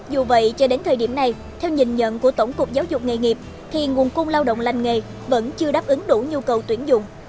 dù vậy cho đến thời điểm này theo nhìn nhận của tổng cục giáo dục nghề nghiệp thì nguồn cung lao động lành nghề vẫn chưa đáp ứng đủ nhu cầu tuyển dụng